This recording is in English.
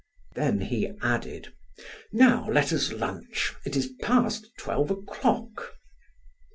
Then he added: "Now let us lunch; it is past twelve o'clock."